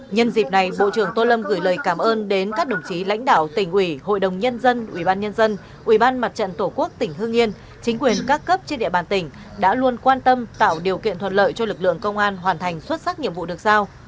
nhân dịp này bộ trưởng tô lâm gửi lời cảm ơn đến các đồng chí lãnh đạo tỉnh ủy hội đồng nhân dân ubnd ubnd mặt trận tổ quốc tỉnh hương yên chính quyền các cấp trên địa bàn tỉnh đã luôn quan tâm tạo điều kiện thuận lợi cho lực lượng công an hoàn thành xuất sắc nhiệm vụ được sao